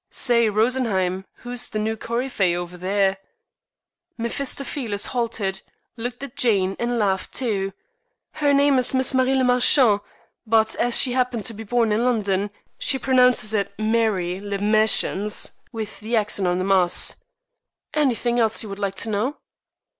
"Say, Rosenheim, who's the new coryphée over there?" Mephistopheles halted, looked at Jane and laughed, too. "Her name is Miss Marie le Marchant; but as she happened to be born in London she pronounces it Mahrie Lee Mahshuns, with the accent on the 'Mahs.' Anything else you would like to know?"